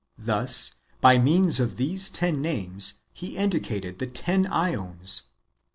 Thus, by means of these ten names, he indicated the ten ^ons.